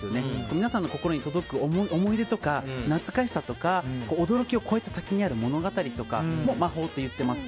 皆さんの心に届く思い出とか懐かしさとか驚きを超えた先にある物語とかも魔法と言っています。